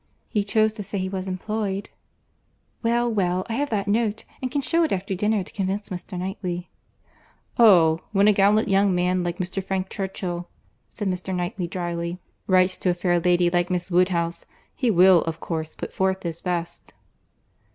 "He chose to say he was employed"— "Well, well, I have that note; and can shew it after dinner to convince Mr. Knightley." "Oh! when a gallant young man, like Mr. Frank Churchill," said Mr. Knightley dryly, "writes to a fair lady like Miss Woodhouse, he will, of course, put forth his best."